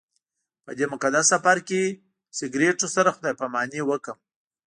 په دې مقدس سفر کې سګرټو سره خدای پاماني وکړم.